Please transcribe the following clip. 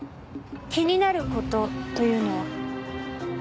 気になる事というのは？